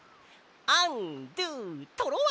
アンドゥトロワ！